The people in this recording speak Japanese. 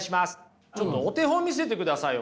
ちょっとお手本見せてくださいよ